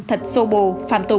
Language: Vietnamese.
thật sô bồ phàm tục